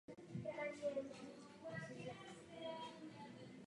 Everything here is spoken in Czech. Fosilní pozůstatky tohoto velkého dravce byly objeveny na Severním ostrově Nového Zélandu.